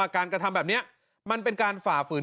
คือมันมีวิธีการไรแบบ